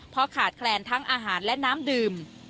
เพราะขาดแคลนทั้งอาหารและน้ำดื่ม